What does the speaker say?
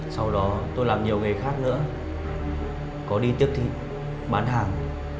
sau đó tôi làm nhiều nghề khác nữa có đi tiếp thị bán hàng